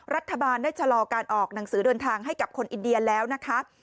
รัฐบาลได้ชะลอการออกหนังสือเดินทางให้กับคนอินเดียแล้วนะคะ